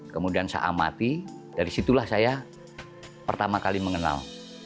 kemudian saya amati dari situlah saya pertama kali mengenal